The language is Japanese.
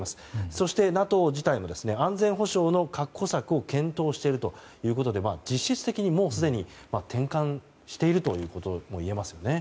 そして、ＮＡＴＯ自体も安全保障の確保策を検討しているということで実質的に、もうすでに転換しているということも言えますよね。